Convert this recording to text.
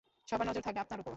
সবার নজর থাকবে আপনার উপর।